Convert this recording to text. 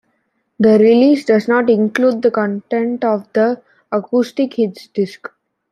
The release does not include the content of the "Acoustic Hits" disk.